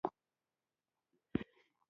چپه خوله، د سکون علامه ده.